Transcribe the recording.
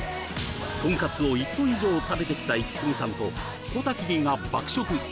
トンカツを１トン以上食べてきたイキスギさんと小瀧Ｄが爆食！